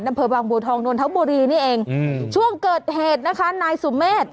อำเภอบางบัวทองนวลธบุรีนี่เองอืมช่วงเกิดเหตุนะคะนายสุเมฆ